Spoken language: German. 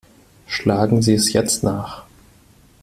Schlagen Sie es jetzt nach!